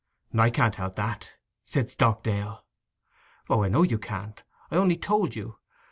'I can't help that,' said Stockdale. 'O, I know you can't. I only told you.